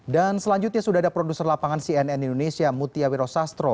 dan selanjutnya sudah ada produser lapangan cnn indonesia mutia wiro sastro